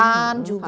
kalimantan juga kan